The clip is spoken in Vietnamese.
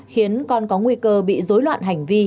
khiến con có nguy cơ bị dối loạn hành vi